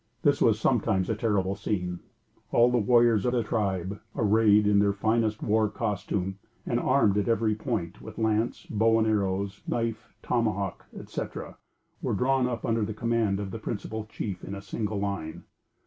This was sometimes a terrible scene. All the warriors of the tribe, arrayed in their fiercest war costume and armed at every point with lance, bow and arrow, knife, tomahawk, etc., were drawn up under command of the principal chief, in single line.